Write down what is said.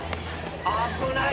危ない。